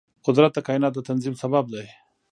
قدرت د کایناتو د تنظیم سبب دی.